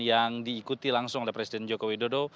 yang diikuti langsung oleh presiden jokowi dodo